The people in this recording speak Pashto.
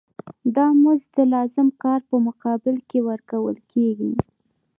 دا مزد د لازم کار په مقابل کې ورکول کېږي